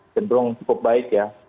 cenderung cukup baik ya